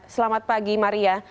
selamat pagi maria